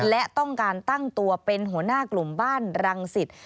และต้องการตั้งตัวเป็นหัวหน้ากลุ่มบ้านรังสิต